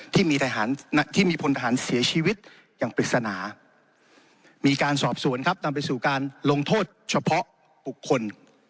ที่มีทหารที่มีพลทหารเสียชีวิตอย่างปริศนามีการสอบสวนครับนำไปสู่การลงโทษเฉพาะบุคคล